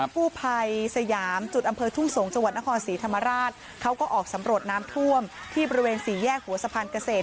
กู้ภัยสยามจุดอำเภอทุ่งสงศ์จังหวัดนครศรีธรรมราชเขาก็ออกสำรวจน้ำท่วมที่บริเวณสี่แยกหัวสะพานเกษตร